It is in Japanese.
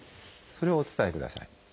それをお伝えください。